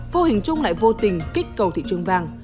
vô hình chung lại vô tình kích cầu thị trường vàng